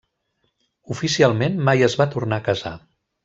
Oficialment mai es va tornar a casar.